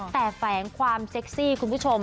แต่แฝงความเซ็กซี่คุณผู้ชม